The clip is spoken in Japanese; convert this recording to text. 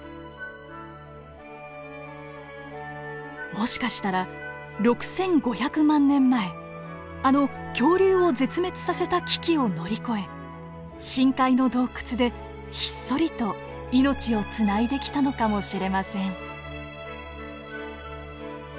もしかしたら６，５００万年前あの恐竜を絶滅させた危機を乗り越え深海の洞窟でひっそりと命をつないできたのかもしれません。